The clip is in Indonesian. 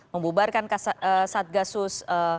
membubarkan saat gasus